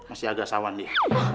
masih agak sawan dia